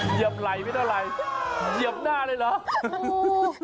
เหยียบไหล่ไม่เท่าไหร่เหยียบหน้าเลยเหรอ